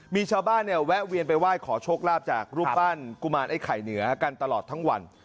มีชาวบ้านเนี่ยแวะเวียนไปไหว้ขอโชคลาภจากรูปปั้นกุมารไอ้ไข่เหนือกันตลอดทั้งวัน